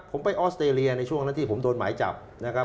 ผมไปออสเตรเลียในช่วงนั้นที่ผมโดนหมายจับนะครับ